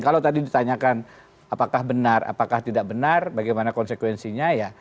kalau tadi ditanyakan apakah benar apakah tidak benar bagaimana konsekuensinya ya